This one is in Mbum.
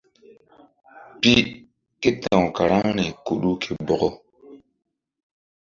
Pi ke ta̧w karaŋri Kuɗu ke Bɔkɔ.